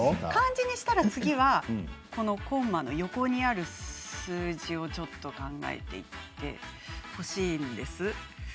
漢字にしたら次はコンマの横にある数字をちょっと考えてほしいんです。